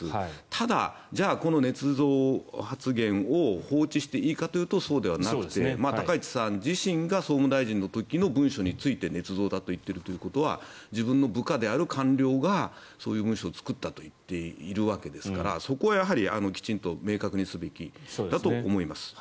ただ、このねつ造発言を放置していいかというとそうではなくて高市さん自身が総務大臣の時の文書についてねつ造だと言っているのは自分の部下である官僚がそういう文書を作っていると言っているわけですからそこはやはり、きちんと明確にすべきだと思います。